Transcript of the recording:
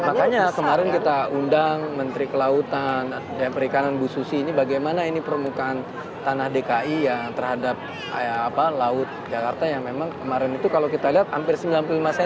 makanya kemarin kita undang menteri kelautan dan perikanan bu susi ini bagaimana ini permukaan tanah dki yang terhadap laut jakarta yang memang kemarin itu kalau kita lihat hampir sembilan puluh lima cm